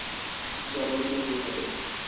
জনগণের কী হবে?